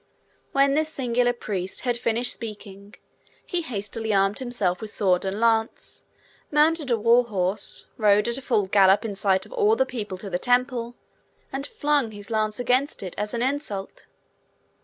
When this singular priest had finished speaking, he hastily armed himself with sword and lance, mounted a war horse, rode at a furious gallop in sight of all the people to the temple, and flung his lance against it as an insult.